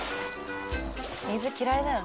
水嫌いだよね